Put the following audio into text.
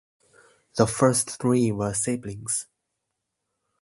The first three were siblings.